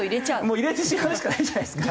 もう入れてしまうしかないんじゃないですか。